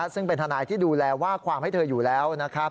ซึ่งเป็นทนายที่ดูแลว่าความให้เธออยู่แล้วนะครับ